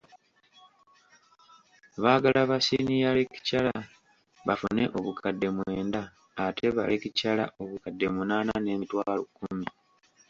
Baagala ba siniya lecturer bafune obukadde mwenda ate ba lecturer obukadde munaana n'emitwalo kumi.